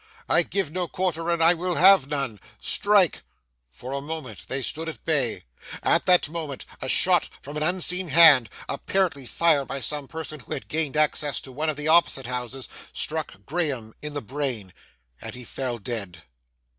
I give no quarter, and I will have none! Strike!' For a moment they stood at bay. At that moment a shot from an unseen hand, apparently fired by some person who had gained access to one of the opposite houses, struck Graham in the brain, and he fell dead.